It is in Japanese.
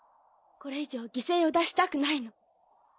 これ以上犠牲を出したくないの。